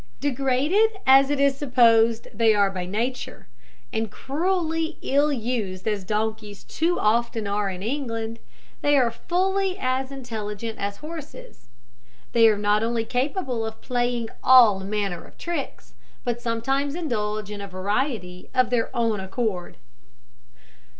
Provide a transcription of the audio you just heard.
Degraded as it is supposed they are by nature, and cruelly ill used as donkeys too often are in England, they are fully as intelligent as horses. They are not only capable of playing all manner of tricks, but sometimes indulge in a variety, of their own accord.